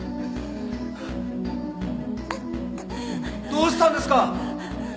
どうしたんですか！？